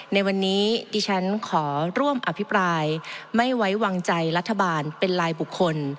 ในวันนี้ดิฉันขอร่วมอภิปรายไม่ไว้วางใจรัฐบาลเป็นลายบุคคล